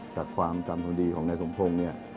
กัดความจำสมดีของนายสมฮงเนี่ย